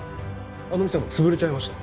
あの店はもう潰れちゃいました。